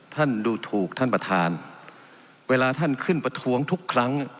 ท่านดูถูกท่านประธานเวลาท่านขึ้นประท้วงทุกครั้ง